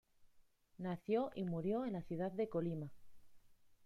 Nació y murió en la ciudad de Colima.